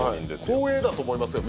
光栄だと思いますよ